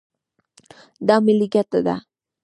دا ملي ګټه ده.